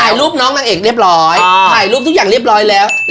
ถ่ายรูปน้องนางเอกเรียบร้อย